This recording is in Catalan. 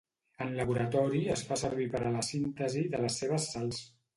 En laboratori es fa servir per a la síntesi de les seves sals.